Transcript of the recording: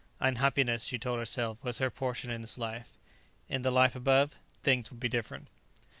Unhappiness, she told herself, was her portion in this life; in the Life Above, things would be different.